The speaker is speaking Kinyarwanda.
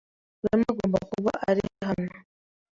Rwema agomba kuba ari hano.